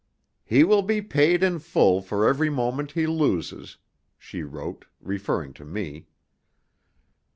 "He will be paid in full for every moment he loses," she wrote, referring to me.